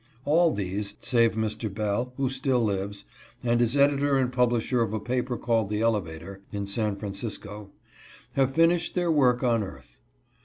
All these (save Mr. Bell, who still lives, and is editor and publisher of a paper called the Elevator, in San Fran cisco) have finished their work on earth.